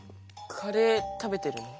カレー食べてるの？